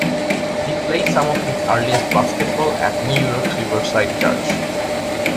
He played some of his earliest basketball at New York's Riverside Church.